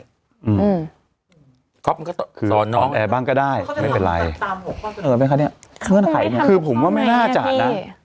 สอนน้องบ้างก็ได้ไม่เป็นไรคือผมว่าไม่น่าจัดนะ